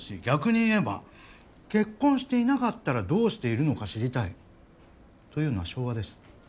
逆に言えば結婚していなかったらどうしているのか知りたいというのは昭和です。